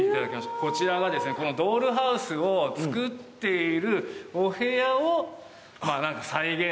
こちらがこのドールハウスを作っているお部屋を再現というか。